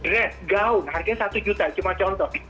red gaun harganya satu juta cuma contoh